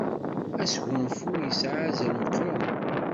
Asgunfu isεa azal meqqren.